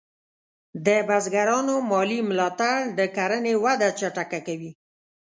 د بزګرانو مالي ملاتړ د کرنې وده چټکه کوي.